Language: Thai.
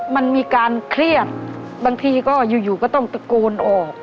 มันมีการเครียดบางทีก็อยู่ก็ต้องตะโกนออก